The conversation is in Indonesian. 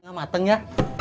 gak mateng ya